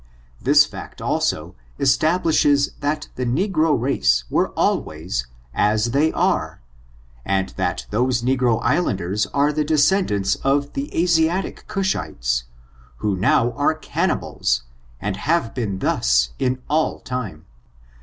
This fact, also, establishes that the negro race were always as they are, and that those negro islanders are the descendants of the AsicUic Cusbites, who now are cannibals, and have been thus in all time.